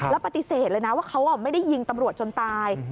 แล้วปฏิเสธเลยนะว่าเขาไม่ได้ยิงตำรวจจนตาย